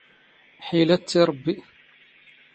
ⵃⵉⵍⴰⵜ ⵜ ⵉ ⵕⴱⴱⵉ.